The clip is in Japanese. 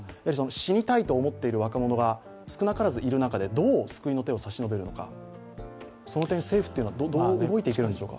死にたいと思っている若者がいる中で、どう救いの手を差し伸べるのかその点、政府はどう動いていけるんでしょうか？